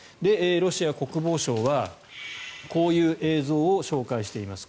ロシア国防省はこういう映像を紹介しています。